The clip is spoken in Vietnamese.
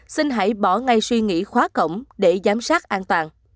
xin hãy bỏ ngay suy nghĩ khóa cổng để giám sát an toàn